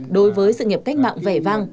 đối với sự nghiệp cách mạng vẻ vang